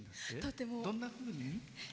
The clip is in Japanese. どんなふうに？